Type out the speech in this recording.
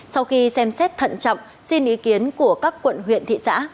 sau khi xem xét thận chậm xin ý kiến của các quận huyện thị xã